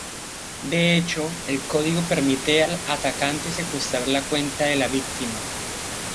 De hecho, el código permite al atacante secuestrar la cuenta de la víctima.